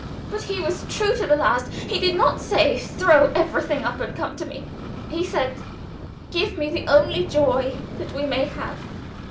But he was true to the last. He did not say, 'Throw everything up and come to me.' He said, 'Give me the only joy that we may have.